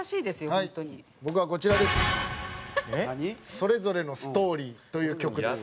『それぞれのストーリー』という曲です。